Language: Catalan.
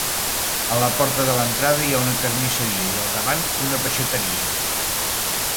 A la porta de l'entrada hi ha una carnisseria i al davant una peixateria.